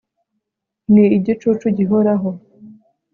ni igicucu gihoraho